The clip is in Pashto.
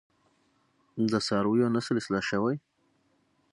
د څارویو نسل اصلاح شوی؟